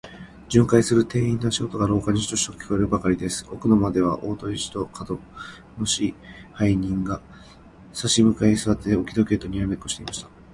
巡回する店員の足音が、廊下にシトシトと聞こえるばかりです。奥の間では、大鳥氏と門野支配人が、さし向かいにすわって、置き時計とにらめっこをしていました。